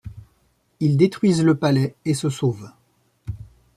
Ils détruisent le palais et se sauvent.